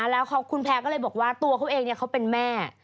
แล้วคุณแพร่ก็เลยบอกว่าตัวเขาเองเขาเป็นแม่